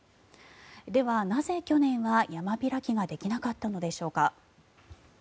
では、なぜ去年は山開きができなかったのでしょうか。